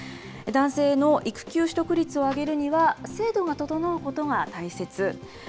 男性の育休取得率を上げるには、制度が整うことが大切。